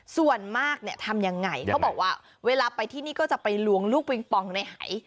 ส่วนมากเนี่ยทำยังไงเขาบอกว่าเวลาไปที่นี่ก็จะไปลวงลูกปิงปองในหาย